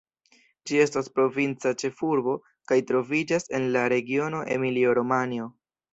Ĝi estas provinca ĉefurbo kaj troviĝas en la regiono Emilio-Romanjo.